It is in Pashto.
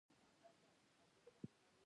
بې نظمي کارونه خرابوي